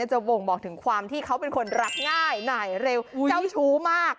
จะบ่งบอกถึงความที่เขาเป็นคนรักง่ายหน่ายเร็วเจ้าชู้มาก